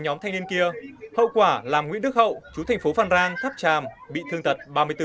nhóm thanh niên kia hậu quả làm nguyễn đức hậu chú thành phố phan rang tháp tràm bị thương tật ba mươi bốn